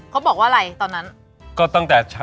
เขาบอกว่าอะไรตอนนั้น